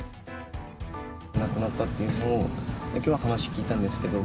亡くなったっていうのを、きょう話聞いたんですけど。